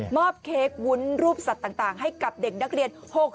เค้กวุ้นรูปสัตว์ต่างให้กับเด็กนักเรียน